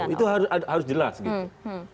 itu harus jelas gitu